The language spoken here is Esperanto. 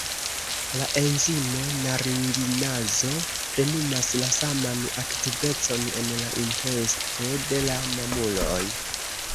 La enzimo "naringinazo" plenumas la saman aktivecon en la intesto de la mamuloj.